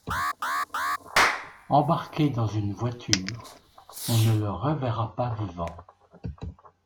Embarqué dans une voiture, on ne le reverra pas vivant.